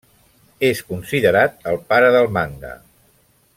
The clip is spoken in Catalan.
És considerat el pare del manga.